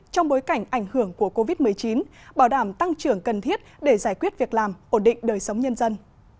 trong bối cảnh ảnh hưởng của covid một mươi chín bảo đảm tăng trưởng cần thiết để giải quyết việc làm ổn định đời sống nhân dân